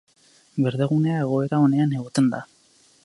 Berdegunea egoera onean egoten da.